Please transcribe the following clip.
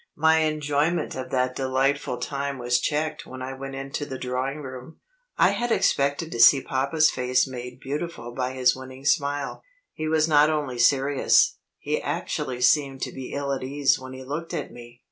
My enjoyment of that delightful time was checked when I went into the drawing room. I had expected to see papa's face made beautiful by his winning smile. He was not only serious; he actually seemed to be ill at ease when he looked at me.